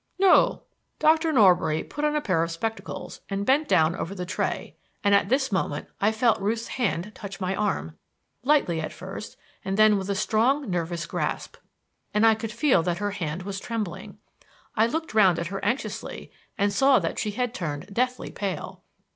"No." Dr. Norbury put on a pair of spectacles and bent down over the tray; and at this moment I felt Ruth's hand touch my arm, lightly at first, and then with a strong nervous grasp; and I could feel that her hand was trembling. I looked round at her anxiously and saw that she had turned deathly pale.